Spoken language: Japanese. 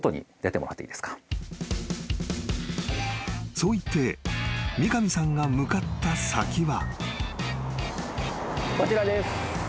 ［そう言って三上さんが向かった先は］